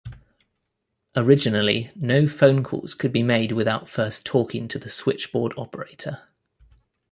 Originally, no phone calls could be made without first talking to the Switchboard operator.